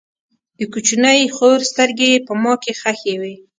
د کوچنۍ خور سترګې یې په ما کې خښې وې